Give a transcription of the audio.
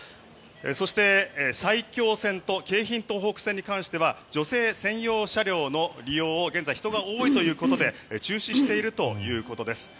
そして埼京線と京浜東北線に関しては女性専用車両の利用を現在人が多いということで中止しているということです。